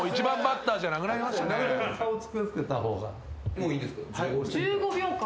もういいですか？